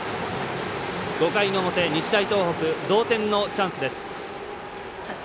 ５回の表、日大東北同点のチャンスです。